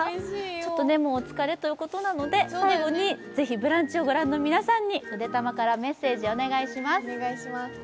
お疲れということで最後に「ブランチ」をご覧の皆さんにぐでたまからメッセージ、お願いします。